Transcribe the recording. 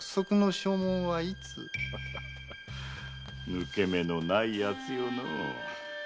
抜け目のない奴よのう。